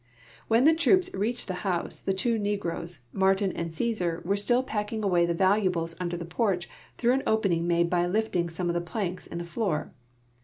When the troops reached the house, the two negroes, INIartin and Cajsar, were still packing away the valuables under the porch through an opening , made by lifting some of the ])lanks in the floor.